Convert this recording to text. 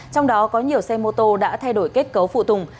trong đó có nhiều xe mô tô đã thay đổi kết cấu phụ tùng